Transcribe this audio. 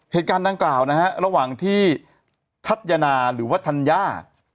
เหตุการณ์ดังกล่าวนะฮะระหว่างที่ทัศยนาหรือว่าธัญญา